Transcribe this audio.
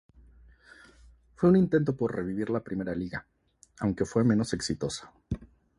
Fue un intento por revivir la primera Liga, aunque fue menos exitosa.